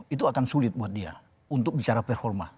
itu akan sulit buat dia untuk bicara performa